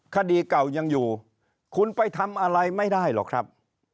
คดีเก่ายังอยู่คุณไปทำอะไรไม่ได้หรอกครับ